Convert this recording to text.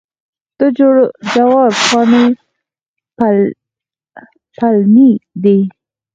د جوارو پاڼې پلنې دي.